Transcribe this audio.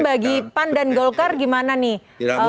bagi pan dan golkar gimana nih